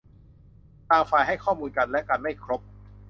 ต่างฝ่ายให้ข้อมูลกันและกันไม่ครบ